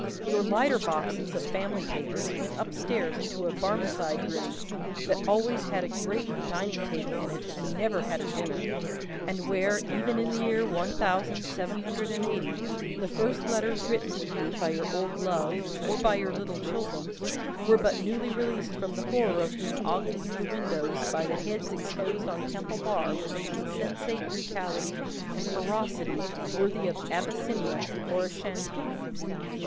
Your lighter boxes of family papers went up stairs into a Barmecide room, that always had a great dining table in it and never had a dinner, and where, even in the year one thousand seven hundred and eighty, the first letters written to you by your old love, or by your little children, were but newly released from the horror of being ogled through the windows, by the heads exposed on Temple Bar with an insensate brutality and ferocity worthy of Abyssinia or Ashantee.